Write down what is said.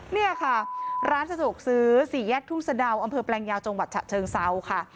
เนี่ยค่ะร้านสถุกศือ๔แยกทุ่งสเดาอำเภอแปลงยาวจเชิงเซาค่ะ